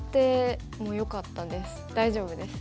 大丈夫です。